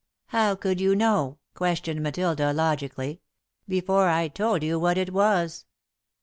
"How could you know," questioned Matilda, logically, "before I'd told you what it was?"